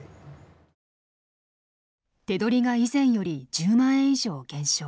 手取りが以前より１０万円以上減少。